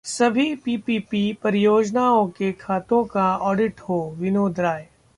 सभी पीपीपी परियोजनाओं के खातों का ऑडिट होः विनोद राय